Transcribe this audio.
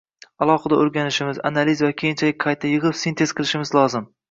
alohida o‘rganishimiz, analiz va keyinchalik qayta yig‘ib, sintez qilishimiz lozim.